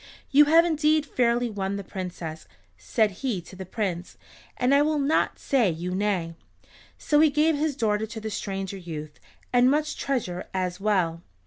"You have indeed fairly won the Princess," said he to the Prince, "and I will not say you nay." So he gave his daughter to the stranger youth, and much treasure as well.